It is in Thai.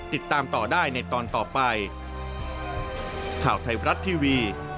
ติดตามต่อได้ในตอนต่อไป